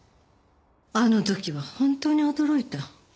あの時は本当に驚いた。